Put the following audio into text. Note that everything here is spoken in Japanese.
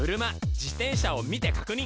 自転車を見て確認！